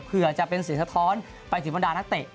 เพื่อจะเป็นเสียสะท้อนไปสินพันธานักเตะ